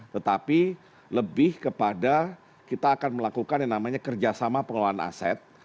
tetapi lebih kepada kita akan melakukan yang namanya kerjasama pengelolaan aset